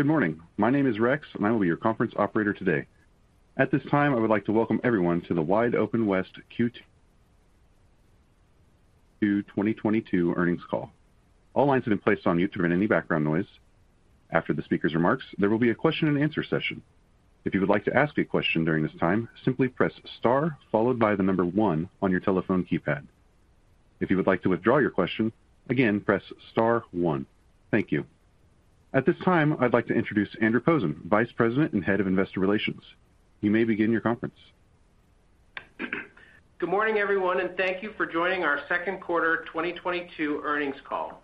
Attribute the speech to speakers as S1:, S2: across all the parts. S1: Good morning. My name is Rex, and I will be your conference operator today. At this time, I would like to welcome everyone to the WideOpenWest Q2 2022 earnings call. All lines have been placed on mute to prevent any background noise. After the speaker's remarks, there will be a question-and-answer session. If you would like to ask a question during this time, simply press star followed by the number one on your telephone keypad. If you would like to withdraw your question again, press star one. Thank you. At this time, I'd like to introduce Andrew Posen, Vice President and Head of Investor Relations. You may begin your conference.
S2: Good morning, everyone, and thank you for joining our second quarter 2022 earnings call.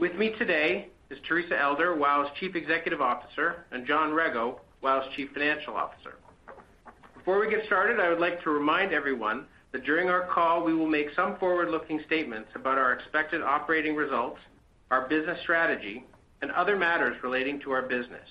S2: With me today is Teresa Elder, WOW!'s Chief Executive Officer, and John Rego, WOW!'s Chief Financial Officer. Before we get started, I would like to remind everyone that during our call we will make some forward-looking statements about our expected operating results, our business strategy, and other matters relating to our business.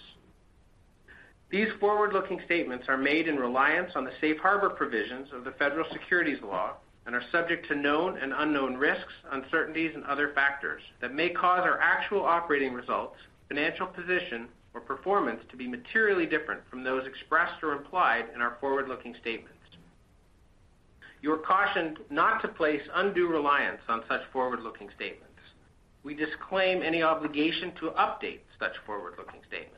S2: These forward-looking statements are made in reliance on the safe harbor provisions of the Federal Securities Law and are subject to known and unknown risks, uncertainties, and other factors that may cause our actual operating results, financial position or performance to be materially different from those expressed or implied in our forward-looking statements. You are cautioned not to place undue reliance on such forward-looking statements. We disclaim any obligation to update such forward-looking statements.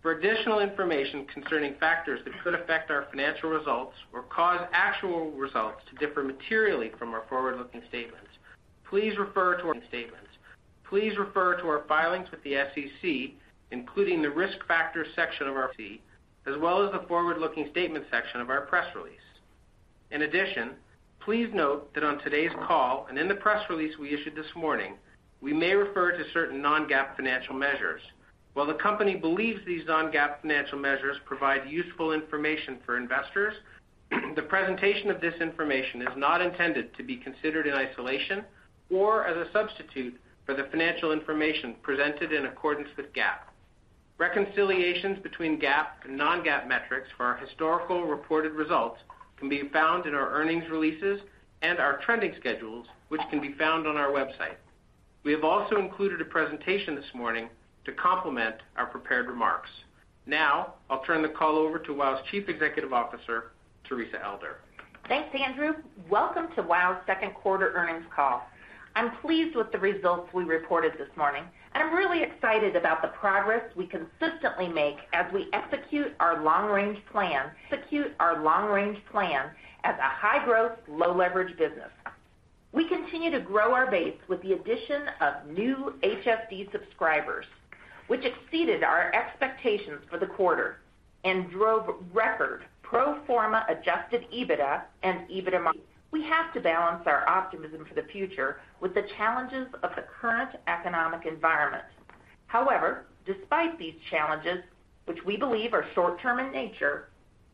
S2: For additional information concerning factors that could affect our financial results or cause actual results to differ materially from our forward-looking statements, please refer to our statements. Please refer to our filings with the SEC, including the Risk Factors section of our 10-K, as well as the forward-looking statement section of our press release. In addition, please note that on today's call and in the press release we issued this morning, we may refer to certain non-GAAP financial measures. While the company believes these non-GAAP financial measures provide useful information for investors, the presentation of this information is not intended to be considered in isolation or as a substitute for the financial information presented in accordance with GAAP. Reconciliations between GAAP and non-GAAP metrics for our historical reported results can be found in our earnings releases and our trending schedules, which can be found on our website. We have also included a presentation this morning to complement our prepared remarks. Now, I'll turn the call over to WOW!'s Chief Executive Officer, Teresa Elder.
S3: Thanks, Andrew. Welcome to WOW's second quarter earnings call. I'm pleased with the results we reported this morning, and I'm really excited about the progress we consistently make as we execute our long-range plan as a high-growth, low-leverage business. We continue to grow our base with the addition of new HSD subscribers, which exceeded our expectations for the quarter and drove record pro forma Adjusted EBITDA and EBITDA margin. We have to balance our optimism for the future with the challenges of the current economic environment. However, despite these challenges, which we believe are short term in nature,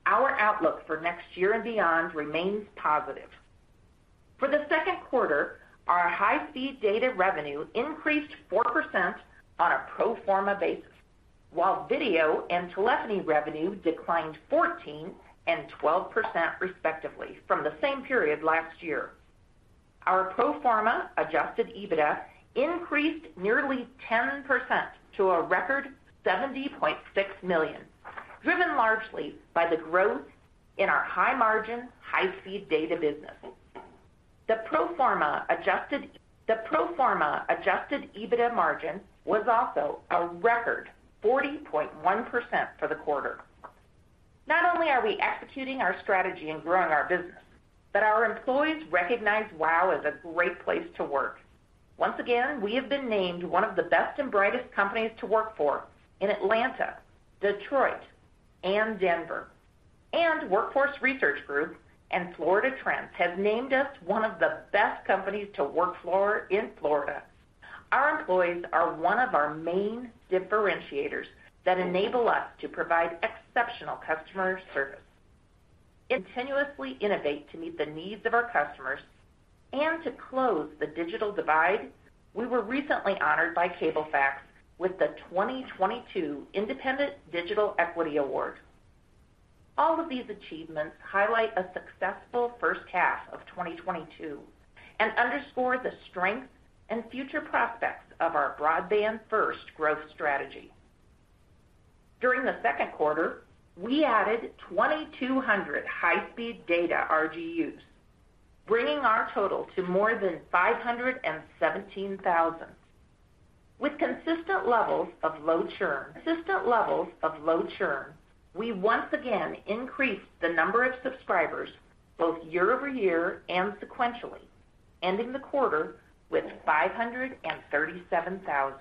S3: our outlook for next year and beyond remains positive. For the second quarter, our high-speed data revenue increased 4% on a pro forma basis, while video and telephony revenue declined 14% and 12% respectively from the same period last year. Our pro Adjusted EBITDA increased nearly 10% to a record $70.6 million, driven largely by the growth in our high-margin, high-speed data business. The pro forma Adjusted EBITDA margin was also a record 40.1% for the quarter. Not only are we executing our strategy and growing our business, but our employees recognize WOW as a great place to work. Once again, we have been named one of the best and brightest companies to work for in Atlanta, Detroit, and Denver. Workforce Research Group and Florida Trend have named us one of the best companies to work for in Florida. Our employees are one of our main differentiators that enable us to provide exceptional customer service, continuously innovate to meet the needs of our customers and to close the digital divide. We were recently honored by Cablefax. fact with the 2022 Independent Digital Equity Award. All of these achievements highlight a successful first half of 2022 and underscore the strength and future prospects of our broadband first growth strategy. During the second quarter, we added 2,200 high-speed data RGUs, bringing our total to more than 517,000. With consistent levels of low churn, we once again increased the number of subscribers both year-over-year and sequentially, ending the quarter with 537,000.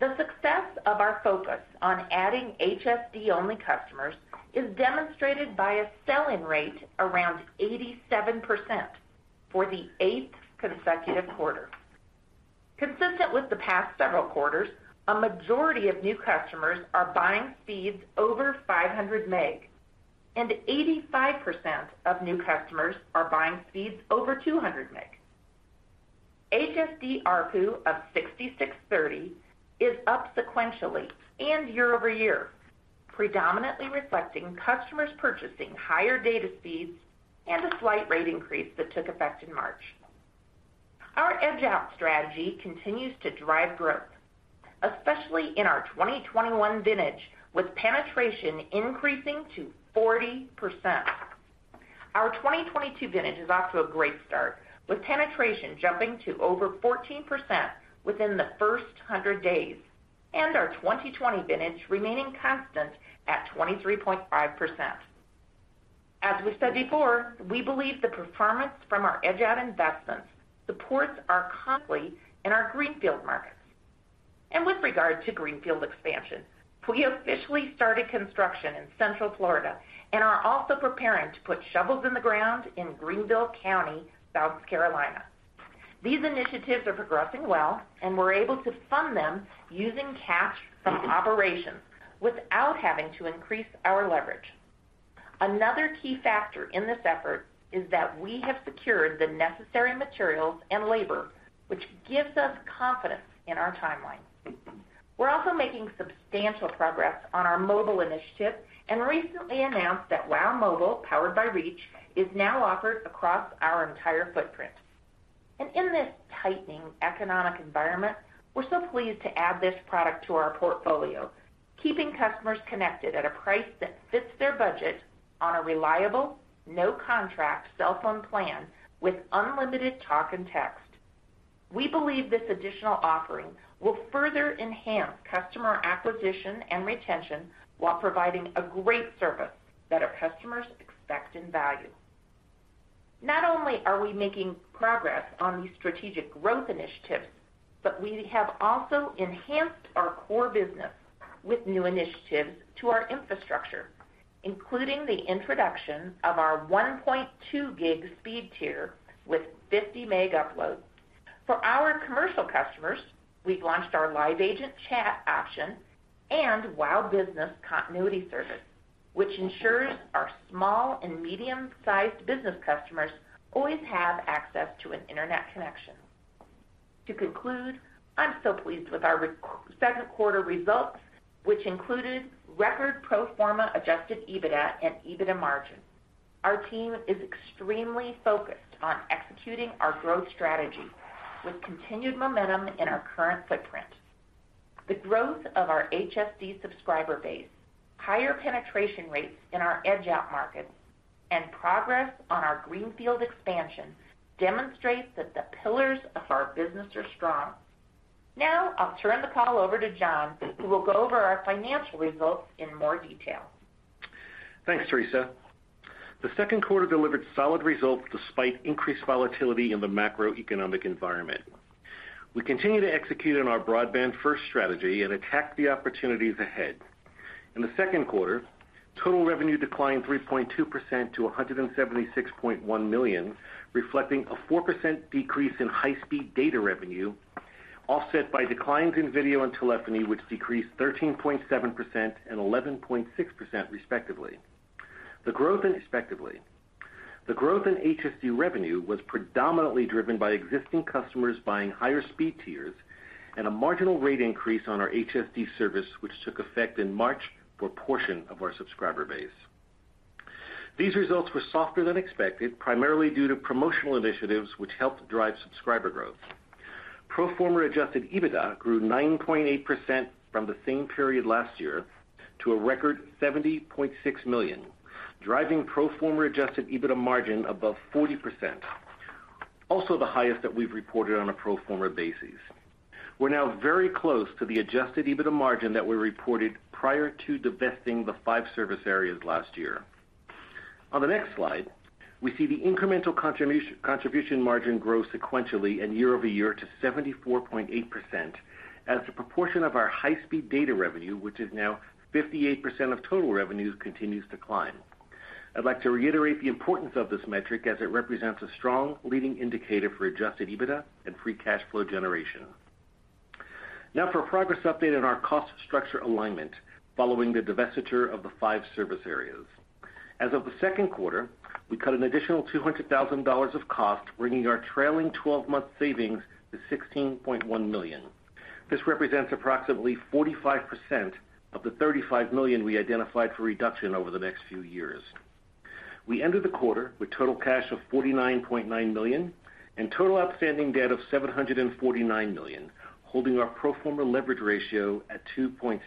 S3: The success of our focus on adding HSD-only customers is demonstrated by a sell-in rate around 87% for the eighth consecutive quarter. Consistent with the past several quarters, a majority of new customers are buying speeds over 500 Mb and 85% of new customers are buying speeds over 200 Mb. HSD ARPU of $66.30 is up sequentially and year-over-year, predominantly reflecting customers purchasing higher data speeds and a slight rate increase that took effect in March. Our Edge-out strategy continues to drive growth, especially in our 2021 vintage, with penetration increasing to 40%. Our 2022 vintage is off to a great start, with penetration jumping to over 14% within the first 100 days, and our 2020 vintage remaining constant at 23.5%. As we said before, we believe the performance from our Edge-out investments supports our consistency in our Greenfield markets. With regard to Greenfield expansions, we officially started construction in Central Florida and are also preparing to put shovels in the ground in Greenville County, South Carolina. These initiatives are progressing well, and we're able to fund them using cash from operations without having to increase our leverage. Another key factor in this effort is that we have secured the necessary materials and labor, which gives us confidence in our timeline. We're also making substantial progress on our mobile initiative and recently announced that WOW! mobile, powered by Reach Mobile, is now offered across our entire footprint. In this tightening economic environment, we're so pleased to add this product to our portfolio, keeping customers connected at a price that fits their budget on a reliable, no-contract cell phone plan with unlimited talk and text. We believe this additional offering will further enhance customer acquisition and retention while providing a great service that our customers expect and value. Not only are we making progress on these strategic growth initiatives, but we have also enhanced our core business with new initiatives to our infrastructure, including the introduction of our 1.2 Gb speed tier with 50 meg upload. For our commercial customers, we've launched our live agent chat option and WOW! Business Continuity Service, which ensures our small and medium-sized business customers always have access to an internet connection. To conclude, I'm so pleased with our second quarter results, which included record pro Adjusted EBITDA and EBITDA margin. Our team is extremely focused on executing our growth strategy with continued momentum in our current footprint. The growth of our HSD subscriber base, higher penetration rates in our edge-out markets, and progress on our Greenfield expansion demonstrate that the pillars of our business are strong. Now, I'll turn the call over to John, who will go over our financial results in more detail.
S4: Thanks, Teresa. The second quarter delivered solid results despite increased volatility in the macroeconomic environment. We continue to execute on our broadband-first strategy and attack the opportunities ahead. In the second quarter, total revenue declined 3.2% to $176.1 million, reflecting a 4% decrease in high-speed data revenue, offset by declines in video and telephony, which decreased 13.7% and 11.6%, respectively. The growth in HSD revenue was predominantly driven by existing customers buying higher speed tiers and a marginal rate increase on our HSD service, which took effect in March for a portion of our subscriber base. These results were softer than expected, primarily due to promotional initiatives which helped drive subscriber growth. Pro forma Adjusted EBITDA grew 9.8% from the same period last year to a record $70.6 million, driving pro Adjusted EBITDA margin above 40%, also the highest that we've reported on a pro forma basis. We're now very close to Adjusted EBITDA margin that we reported prior to divesting the five service areas last year. On the next slide, we see the incremental contribution margin grow sequentially and year-over-year to 74.8% as the proportion of our high-speed data revenue, which is now 58% of total revenue, continues to climb. I'd like to reiterate the importance of this metric as it represents a strong leading indicator Adjusted EBITDA and free cash flow generation. Now for a progress update on our cost structure alignment following the divestiture of the five service areas. As of the second quarter, we cut an additional $200,000 of cost, bringing our trailing twelve-month savings to $16.1 million. This represents approximately 45% of the $35 million we identified for reduction over the next few years. We ended the quarter with total cash of $49.9 million and total outstanding debt of $749 million, holding our pro forma leverage ratio at 2.6x.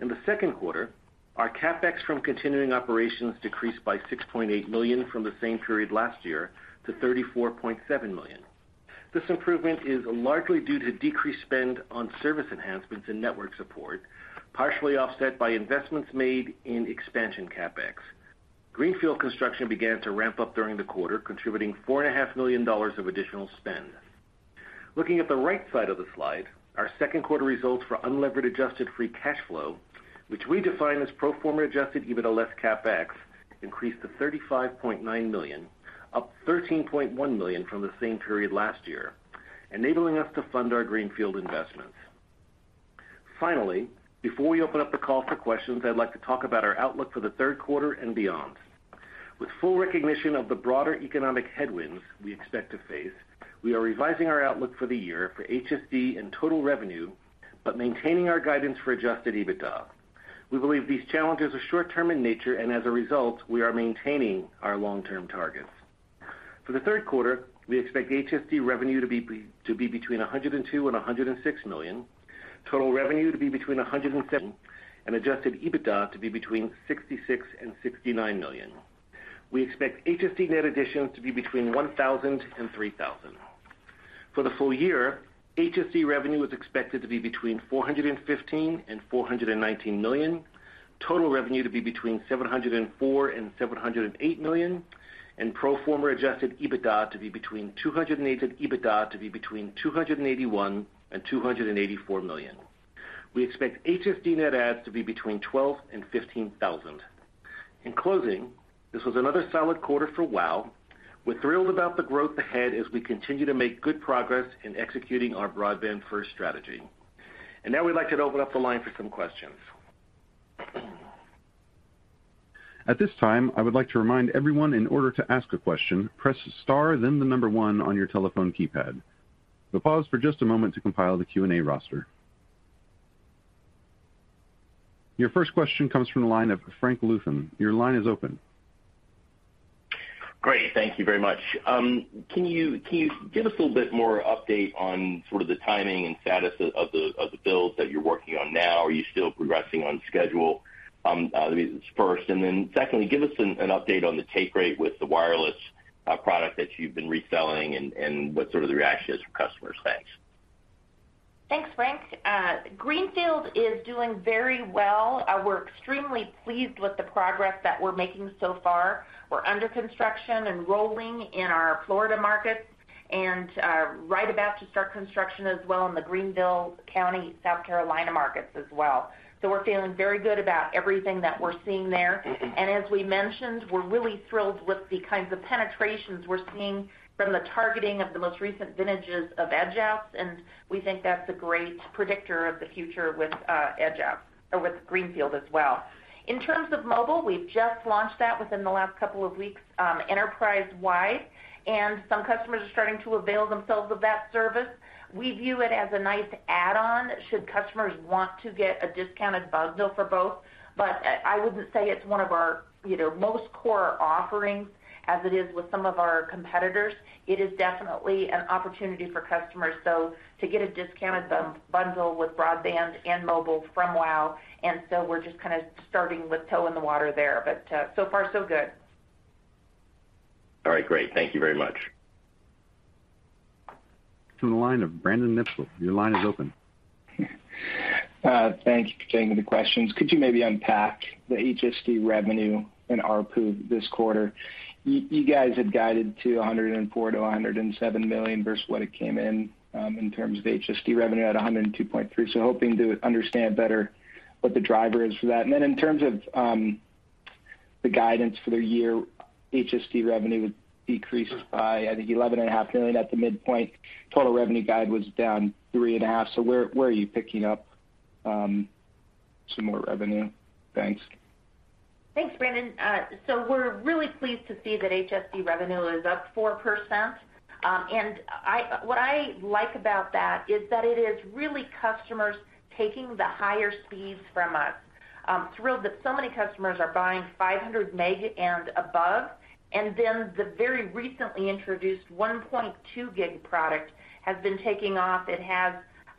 S4: In the second quarter, our CapEx from continuing operations decreased by $6.8 million from the same period last year to $34.7 million. This improvement is largely due to decreased spend on service enhancements and network support, partially offset by investments made in expansion CapEx. Greenfield construction began to ramp up during the quarter, contributing $4.5 million of additional spend. Looking at the right side of the slide, our second quarter results for unlevered adjusted free cash flow, which we define as pro forma Adjusted EBITDA less CapEx, increased to $35.9 million, up $13.1 million from the same period last year, enabling us to fund our Greenfield investments. Finally, before we open up the call for questions, I'd like to talk about our outlook for the third quarter and beyond. With full recognition of the broader economic headwinds we expect to face, we are revising our outlook for the year for HSD and total revenue, but maintaining our guidance Adjusted EBITDA. we believe these challenges are short term in nature, and as a result, we are maintaining our long-term targets. For the third quarter, we expect HSD revenue to be between $102 million and $106 million, total revenue to be between $107 million, Adjusted EBITDA to be between $66 million and $69 million. We expect HSD net additions to be between 1,000 and 3,000. For the full year, HSD revenue is expected to be between $415 million and $419 million, total revenue to be between $704 million and $708 million, and pro forma Adjusted EBITDA to be between $281 million and $284 million. We expect HSD net adds to be between 12,000 and 15,000. In closing, this was another solid quarter for WOW!. We're thrilled about the growth ahead as we continue to make good progress in executing our broadband-first strategy. Now we'd like to open up the line for some questions.
S1: At this time, I would like to remind everyone in order to ask a question, press star then the number one on your telephone keypad. We'll pause for just a moment to compile the Q&A roster. Your first question comes from the line of Frank Louthan. Your line is open.
S5: Great. Thank you very much. Can you give us a little bit more update on sort of the timing and status of the builds that you're working on now? Are you still progressing on schedule, first? Secondly, give us an update on the take rate with the wireless product that you've been reselling and what sort of the reaction is from customers. Thanks.
S3: Thanks, Frank. Greenfield is doing very well. We're extremely pleased with the progress that we're making so far. We're under construction and rolling in our Florida markets and right about to start construction as well in the Greenville County, South Carolina markets as well. We're feeling very good about everything that we're seeing there.
S5: Mm-hmm.
S3: As we mentioned, we're really thrilled with the kinds of penetrations we're seeing from the targeting of the most recent vintages of Edge-Outs, and we think that's a great predictor of the future with Edge-Outs or with Greenfield as well. In terms of mobile, we've just launched that within the last couple of weeks, enterprise-wide, and some customers are starting to avail themselves of that service. We view it as a nice add-on should customers want to get a discounted bundle for both. I wouldn't say it's one of our, you know, most core offerings as it is with some of our competitors. It is definitely an opportunity for customers, so to get a discounted bundle with broadband and mobile from WOW!, and so we're just kind of starting with toe in the water there. So far so good.
S5: All right, great. Thank you very much.
S1: From the line of Brandon Nispel. Your line is open.
S6: Thanks for taking the questions. Could you maybe unpack the HSD revenue and ARPU this quarter? You guys had guided to $104 million-$107 million versus what it came in in terms of HSD revenue at $102.3 million. Hoping to understand better what the driver is for that. Then in terms of the guidance for the year, HSD revenue would decrease by, I think, $11.5 million at the midpoint. Total revenue guide was down $3.5 million. Where are you picking up some more revenue? Thanks.
S3: Thanks, Brandon. We're really pleased to see that HSD revenue is up 4%. What I like about that is that it is really customers taking the higher speeds from us. I'm thrilled that so many customers are buying 500 Mb and above. The very recently introduced 1.2 Gb product has been taking off. It has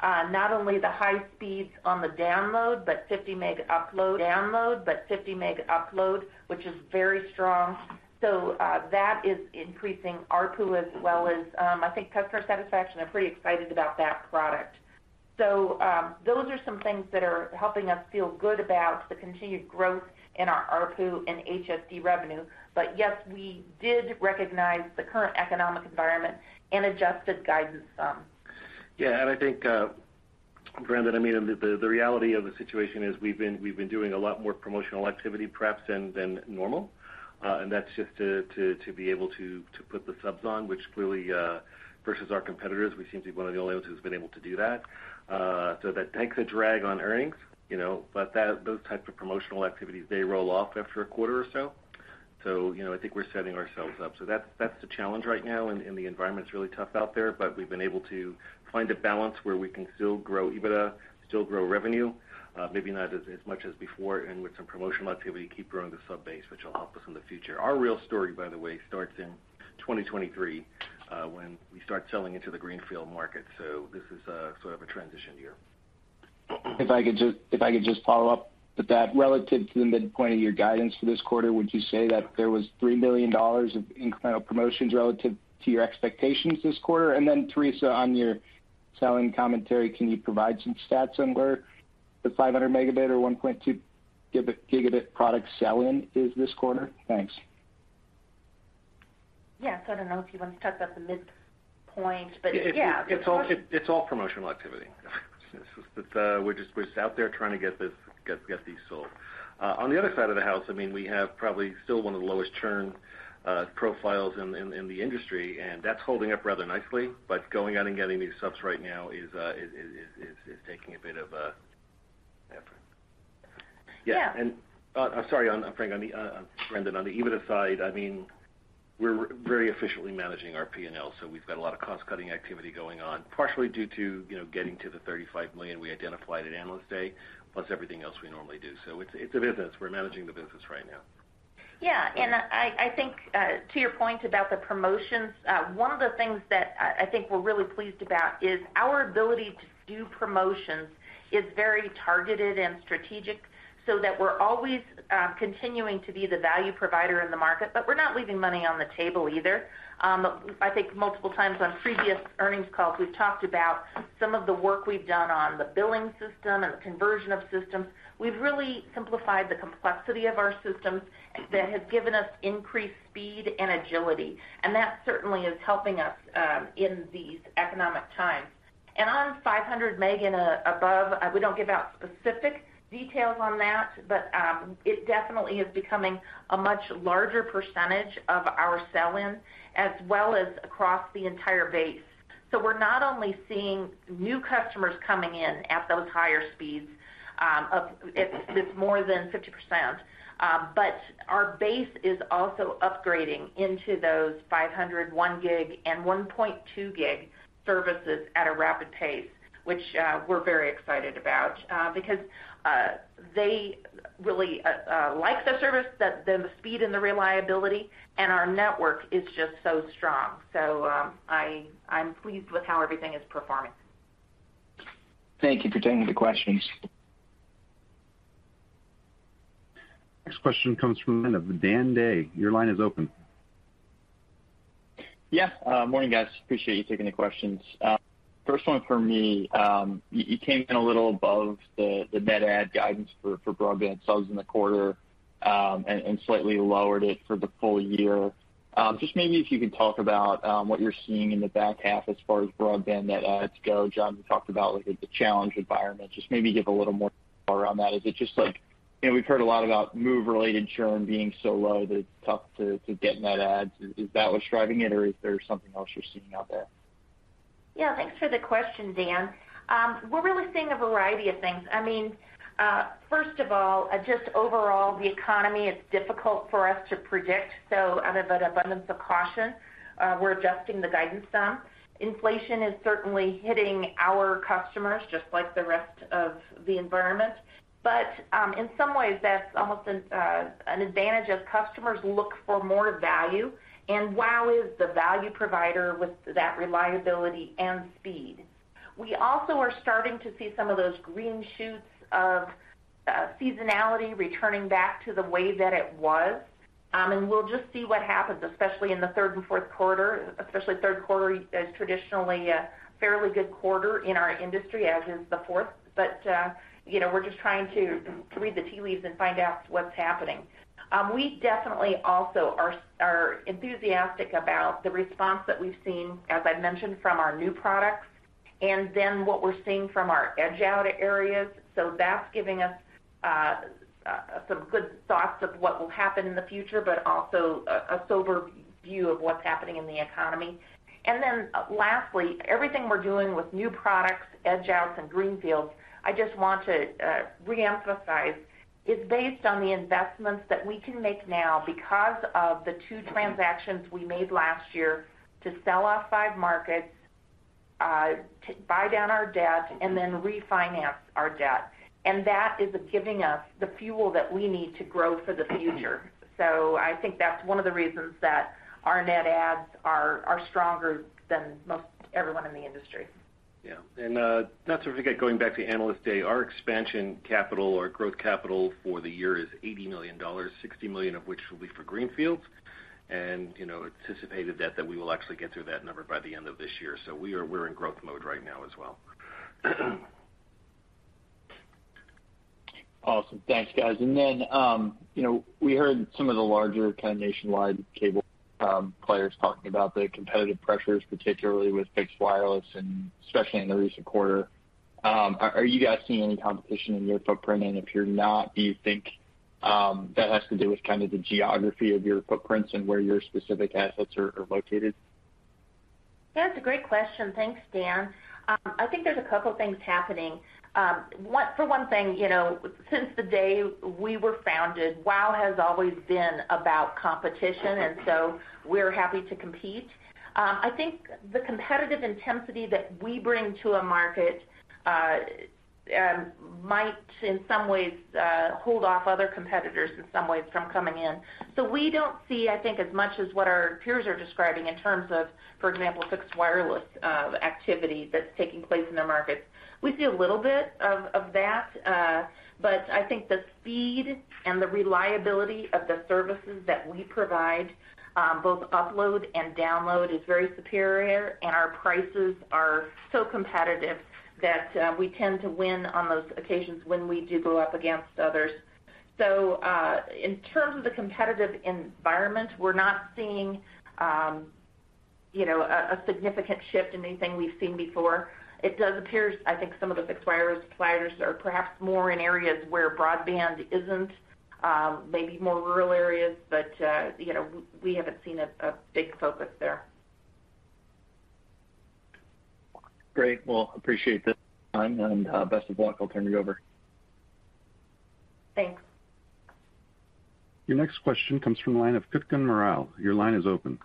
S3: not only the high speeds on the download, but 50 Mb upload, which is very strong. That is increasing ARPU as well as I think customer satisfaction. They're pretty excited about that product. Those are some things that are helping us feel good about the continued growth in our ARPU and HSD revenue. Yes, we did recognize the current economic environment and adjusted guidance some.
S4: Yeah. I think, Brandon, I mean, the reality of the situation is we've been doing a lot more promotional activity perhaps than normal. And that's just to be able to put the subs on, which clearly versus our competitors, we seem to be one of the only ones who's been able to do that. So that takes a drag on earnings, you know, but that those types of promotional activities, they roll off after a quarter or so. You know, I think we're setting ourselves up. That's the challenge right now, and the environment's really tough out there. We've been able to find a balance where we can still grow EBITDA, still grow revenue, maybe not as much as before, and with some promotional activity, keep growing the sub base, which will help us in the future. Our real story, by the way, starts in 2023, when we start selling into the Greenfield market. This is a sort of a transition year.
S6: If I could just follow up with that. Relative to the midpoint of your guidance for this quarter, would you say that there was $3 million of incremental promotions relative to your expectations this quarter? Teresa, on your selling commentary, can you provide some stats on where the 500 Mb or 1.2 Gb product sell-in is this quarter? Thanks.
S3: Yeah. I don't know if you want to talk about the midpoint, but yeah.
S4: It's all promotional activity. We're just out there trying to get these sold. On the other side of the house, I mean, we have probably still one of the lowest churn profiles in the industry, and that's holding up rather nicely, but going out and getting these subs right now is taking a bit of effort.
S3: Yeah.
S4: Yeah. Sorry, Frank, on the Brandon, on the EBITDA side. We're very efficiently managing our P&L, so we've got a lot of cost-cutting activity going on, partially due to, you know, getting to the $35 million we identified at Analyst Day, plus everything else we normally do. It's a business. We're managing the business right now.
S3: Yeah. I think to your point about the promotions, one of the things that I think we're really pleased about is our ability to do promotions is very targeted and strategic so that we're always continuing to be the value provider in the market, but we're not leaving money on the table either. I think multiple times on previous earnings calls, we've talked about some of the work we've done on the billing system and the conversion of systems. We've really simplified the complexity of our systems that has given us increased speed and agility, and that certainly is helping us in these economic times. On 500 Mb and above, we don't give out specific details on that, but it definitely is becoming a much larger percentage of our sell-in as well as across the entire base. We're not only seeing new customers coming in at those higher speeds, it's more than 50%, but our base is also upgrading into those 500 Mb, 1 Gb, and 1.2 Gb services at a rapid pace, which we're very excited about, because they really like the service, the speed and the reliability, and our network is just so strong. I'm pleased with how everything is performing.
S6: Thank you for taking the questions.
S1: Next question comes from the line of Dan Day. Your line is open.
S7: Yeah. Morning, guys. Appreciate you taking the questions. First one for me, you came in a little above the net add guidance for broadband subs in the quarter, and slightly lowered it for the full year. Just maybe if you could talk about what you're seeing in the back half as far as broadband net adds go. John, you talked about, like, the challenged environment. Just maybe give a little more color on that. Is it just like, you know, we've heard a lot about move-related churn being so low that it's tough to get net adds. Is that what's driving it, or is there something else you're seeing out there?
S3: Yeah. Thanks for the question, Dan. We're really seeing a variety of things. I mean, first of all, just overall, the economy is difficult for us to predict, so out of an abundance of caution, we're adjusting the guidance down. Inflation is certainly hitting our customers just like the rest of the environment. In some ways, that's almost an advantage as customers look for more value, and WOW! is the value provider with that reliability and speed. We also are starting to see some of those green shoots of seasonality returning back to the way that it was. We'll just see what happens, especially in the third and fourth quarter, especially third quarter is traditionally a fairly good quarter in our industry, as is the fourth. You know, we're just trying to read the tea leaves and find out what's happening. We definitely also are enthusiastic about the response that we've seen, as I mentioned, from our new products and then what we're seeing from our edge-out areas. That's giving us some good thoughts of what will happen in the future, but also a sober view of what's happening in the economy. Lastly, everything we're doing with new products, Edge-Out, and Greenfield, I just want to reemphasize, is based on the investments that we can make now because of the two transactions we made last year to sell off five markets to buy down our debt, and then refinance our debt. That is giving us the fuel that we need to grow for the future. I think that's one of the reasons that our net adds are stronger than most everyone in the industry.
S4: Not to forget, going back to Analyst Day, our expansion capital or growth capital for the year is $80 million, $60 million of which will be for Greenfield. You know, we anticipated that we will actually get through that number by the end of this year. We're in growth mode right now as well.
S7: Awesome. Thanks, guys. Then you know, we heard some of the larger kind of nationwide cable players talking about the competitive pressures, particularly with fixed wireless and especially in the recent quarter. Are you guys seeing any competition in your footprint? If you're not, do you think that has to do with kind of the geography of your footprints and where your specific assets are located?
S3: That's a great question. Thanks, Dan. I think there's a couple things happening. For one thing, you know, since the day we were founded, WOW! has always been about competition, and so we're happy to compete. I think the competitive intensity that we bring to a market might in some ways hold off other competitors in some ways from coming in. We don't see, I think, as much as what our peers are describing in terms of, for example, fixed wireless activity that's taking place in the markets. We see a little bit of that, but I think the speed and the reliability of the services that we provide both upload and download is very superior, and our prices are so competitive that we tend to win on those occasions when we do go up against others. In terms of the competitive environment, we're not seeing, you know, a significant shift in anything we've seen before. It does appear, I think, some of the fixed wireless providers are perhaps more in areas where broadband isn't maybe more rural areas, but you know, we haven't seen a big focus there.
S7: Great. Well, appreciate the time and best of luck. I'll turn it over.
S3: Thanks.
S1: Your next question comes from the line of [Morale]. Your line is open.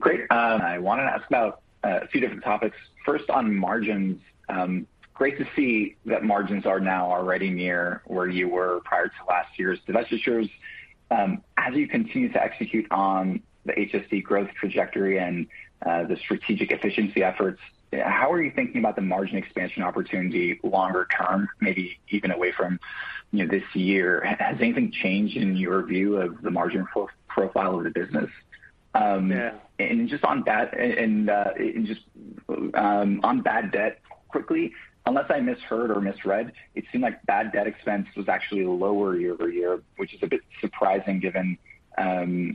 S8: Great. I wanna ask about a few different topics. First, on margins. Great to see that margins are now already near where you were prior to last year's divestitures. As you continue to execute on the HSD growth trajectory and the strategic efficiency efforts, how are you thinking about the margin expansion opportunity longer term, maybe even away from, you know, this year? Has anything changed in your view of the margin profile of the business? Just on that, on bad debt quickly. Unless I misheard or misread, it seemed like bad debt expense was actually lower year-over-year, which is a bit surprising given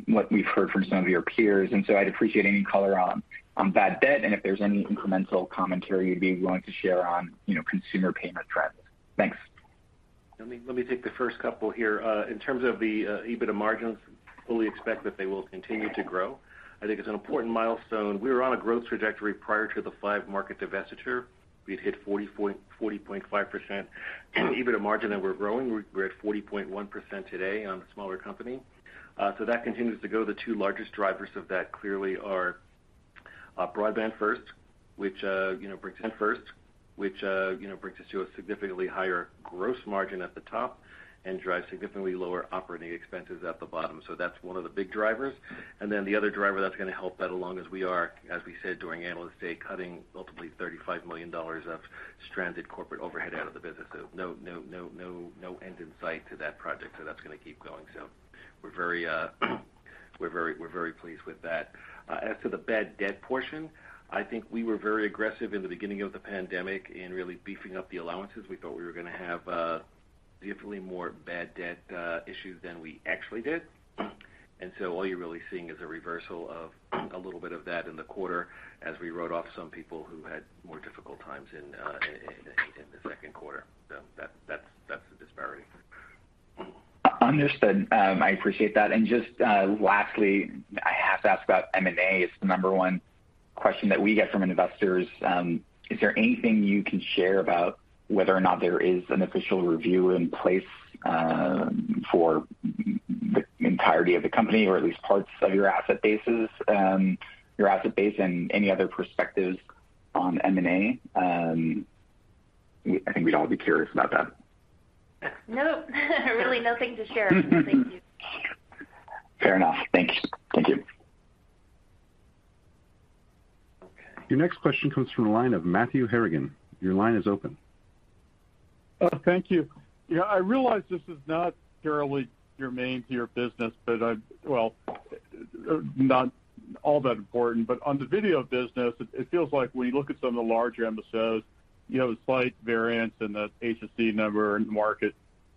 S8: what we've heard from some of your peers. I'd appreciate any color on bad debt and if there's any incremental commentary you'd be willing to share on, you know, consumer payment trends. Thanks.
S4: Let me take the first couple here. In terms of the EBITDA margins, fully expect that they will continue to grow. I think it's an important milestone. We were on a growth trajectory prior to the 5-market divestiture. We'd hit 40.5% EBITDA margin, and we're growing. We're at 40.1% today on the smaller company. So that continues to go. The two largest drivers of that clearly are Broadband first, which you know brings us to a significantly higher gross margin at the top and drives significantly lower operating expenses at the bottom. So that's one of the big drivers. The other driver that's gonna help that along, as we said during Analyst Day, cutting ultimately $35 million of stranded corporate overhead out of the business. No end in sight to that project. That's gonna keep going. We're very pleased with that. As to the bad debt portion, I think we were very aggressive in the beginning of the pandemic in really beefing up the allowances. We thought we were gonna have definitely more bad debt issues than we actually did. All you're really seeing is a reversal of a little bit of that in the quarter as we wrote off some people who had more difficult times in the second quarter. That's the disparity.
S8: Understood. I appreciate that. Just lastly, I have to ask about M&A. It's the number one question that we get from investors. Is there anything you can share about whether or not there is an official review in place, for the entirety of the company or at least parts of your asset bases, your asset base and any other perspectives on M&A? I think we'd all be curious about that.
S3: Nope. Really nothing to share. Thank you.
S8: Fair enough. Thanks. Thank you.
S1: Your next question comes from the line of Matthew Harrigan. Your line is open.
S9: Thank you. Yeah, I realize this is not terribly germane to your business, but, well, not all that important. On the video business, it feels like when you look at some of the larger MSOs, you have a slight variance in the HSD number and the market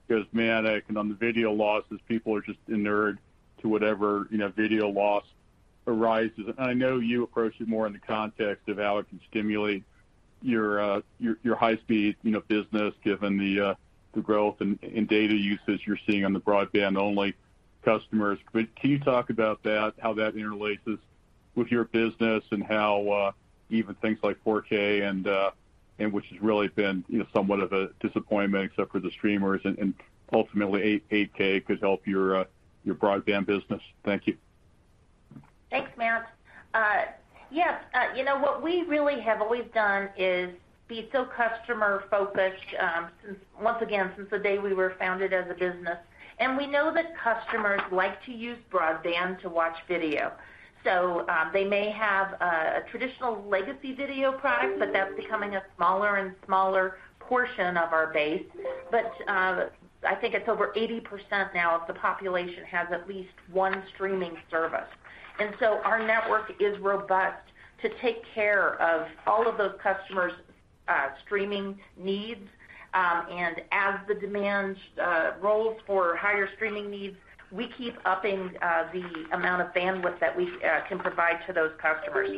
S9: goes manic. On the video losses, people are just inured to whatever, you know, video loss arises. I know you approach it more in the context of how it can stimulate your high speed, you know, business, given the growth in data usage you're seeing on the broadband-only customers. Can you talk about that, how that interlaces with your business and how even things like 4K and which has really been, you know, somewhat of a disappointment except for the streamers and ultimately 8K could help your broadband business? Thank you.
S3: Thanks, Matt. Yes. You know, what we really have always done is be so customer-focused, since once again, since the day we were founded as a business. We know that customers like to use broadband to watch video. They may have a traditional legacy video product, but that's becoming a smaller and smaller portion of our base. I think it's over 80% now of the population has at least one streaming service. Our network is robust to take care of all of those customers' streaming needs. As the demand rolls for higher streaming needs, we keep upping the amount of bandwidth that we can provide to those customers.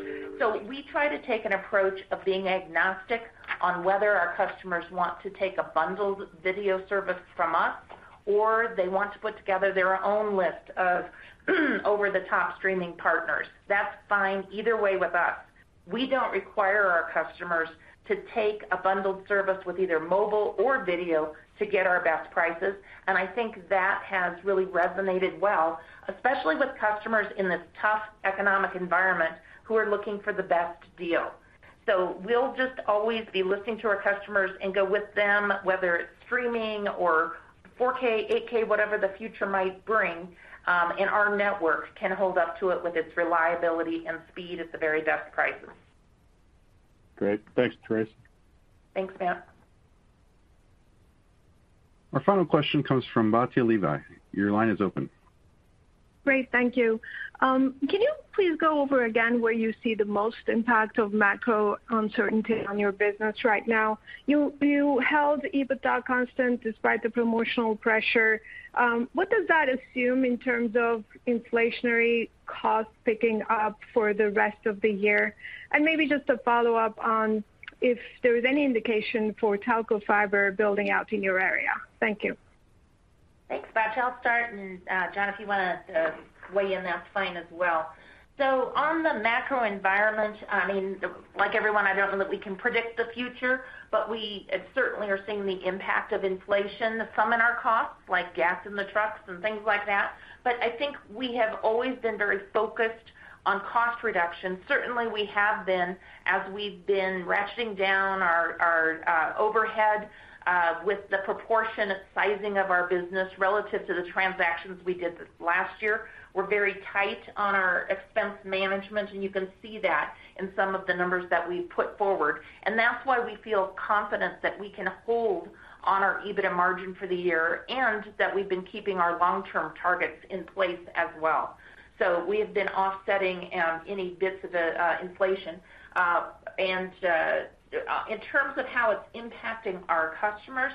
S3: We try to take an approach of being agnostic on whether our customers want to take a bundled video service from us or they want to put together their own list of over-the-top streaming partners. That's fine either way with us. We don't require our customers to take a bundled service with either mobile or video to get our best prices. I think that has really resonated well, especially with customers in this tough economic environment who are looking for the best deal. We'll just always be listening to our customers and go with them, whether it's streaming or 4K, 8K, whatever the future might bring, and our network can hold up to it with its reliability and speed at the very best prices.
S9: Great. Thanks, Teresa.
S3: Thanks, Matt.
S1: Our final question comes from Batya Levi. Your line is open.
S10: Great. Thank you. Can you please go over again where you see the most impact of macro uncertainty on your business right now? You held EBITDA constant despite the promotional pressure. What does that assume in terms of inflationary costs picking up for the rest of the year? Maybe just a follow-up on if there is any indication for telco fiber building out in your area. Thank you.
S3: Thanks, Batya. I'll start, and, John, if you wanna, weigh in, that's fine as well. On the macro environment, I mean, like everyone, I don't know that we can predict the future, but we certainly are seeing the impact of inflation from in our costs, like gas in the trucks and things like that. I think we have always been very focused on cost reduction. Certainly, we have been as we've been ratcheting down our overhead with the proportion of sizing of our business relative to the transactions we did last year. We're very tight on our expense management, and you can see that in some of the numbers that we put forward. That's why we feel confident that we can hold on our EBITDA margin for the year and that we've been keeping our long-term targets in place as well. We have been offsetting any bits of inflation. In terms of how it's impacting our customers,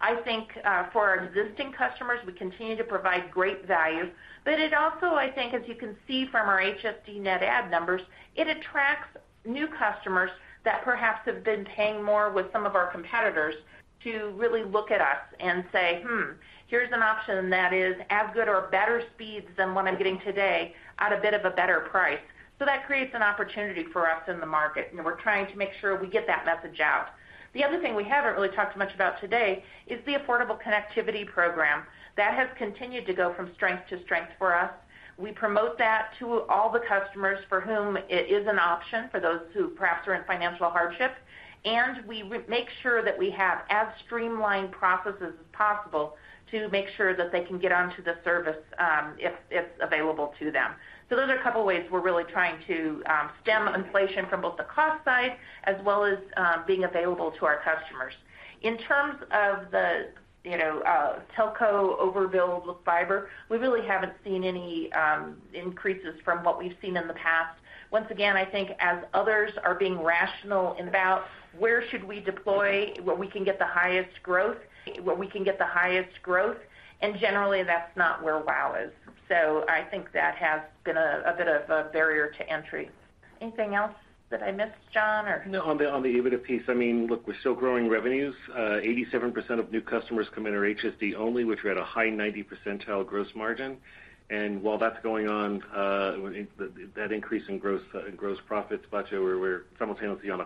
S3: I think, for our existing customers, we continue to provide great value. It also, I think, as you can see from our HSD net add numbers, it attracts new customers that perhaps have been paying more with some of our competitors to really look at us and say, "Hmm, here's an option that is as good or better speeds than what I'm getting today at a bit of a better price." That creates an opportunity for us in the market, and we're trying to make sure we get that message out. The other thing we haven't really talked much about today is the Affordable Connectivity Program. That has continued to go from strength to strength for us. We promote that to all the customers for whom it is an option, for those who perhaps are in financial hardship. We make sure that we have as streamlined processes as possible to make sure that they can get onto the service, if it's available to them. Those are a couple of ways we're really trying to stem inflation from both the cost side as well as being available to our customers. In terms of the, you know, telco overbuild with fiber, we really haven't seen any increases from what we've seen in the past. Once again, I think as others are being rational about where should we deploy, where we can get the highest growth, and generally that's not where WOW! is. I think that has been a bit of a barrier to entry. Anything else that I missed, John, or?
S4: No. On the EBITDA piece, I mean, look, we're still growing revenues. 87% of new customers come in are HSD only, which we had a high 90th percentile gross margin. While that's going on, that increase in gross profits, Batya, we're simultaneously on a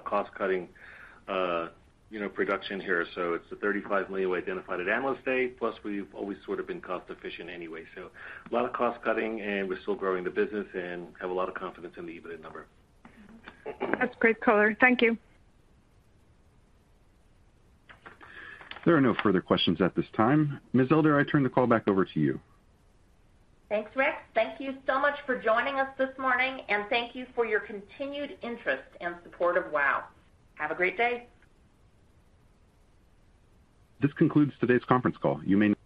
S4: cost-cutting, you know, production here. It's the $35 million we identified at Analyst Day, plus we've always sort of been cost-efficient anyway. A lot of cost cutting, and we're still growing the business and have a lot of confidence in the EBITDA number.
S10: That's great color. Thank you.
S1: There are no further questions at this time. Ms. Elder, I turn the call back over to you.
S3: Thanks, Rex. Thank you so much for joining us this morning, and thank you for your continued interest and support of WOW!. Have a great day.
S1: This concludes today's conference call. You may now disconnect.